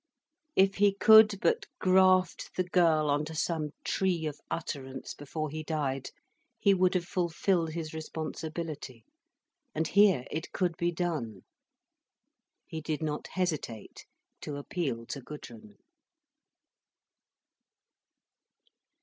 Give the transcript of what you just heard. If he could but graft the girl on to some tree of utterance before he died, he would have fulfilled his responsibility. And here it could be done. He did not hesitate to appeal to Gudrun.